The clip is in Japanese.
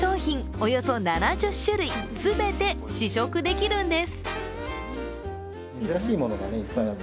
およそ７０種類全て試食できるんです。